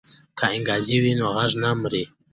که انګازې وي نو غږ نه مري.